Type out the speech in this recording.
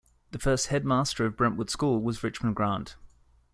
The first Headmaster of Brentwood School was Richman Grant.